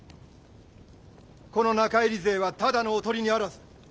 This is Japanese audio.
この中入り勢はただのおとりにあらず。